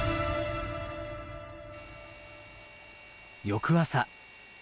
翌朝。